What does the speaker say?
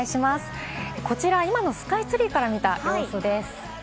こちら、今のスカイツリーから見た様子です。